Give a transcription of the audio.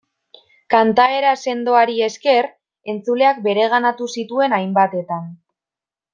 Kantaera sendoari esker, entzuleak bereganatu zituen hainbatetan.